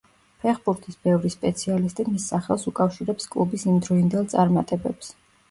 ფეხბურთის ბევრი სპეციალისტი მის სახელს უკავშირებს კლუბის იმდროინდელ წარმატებებს.